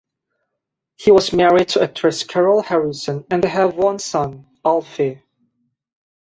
He was married to actress Carol Harrison and they have one son, Alfie.